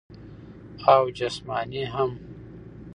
او جسماني هم -